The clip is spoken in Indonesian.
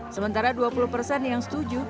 sementara dua puluh persen yang setuju